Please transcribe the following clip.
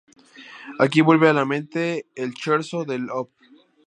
Aquí vuelve a la mente el scherzo del Op.